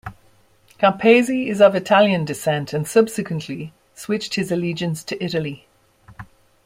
Campese is of Italian descent and subsequently switched his allegiance to Italy.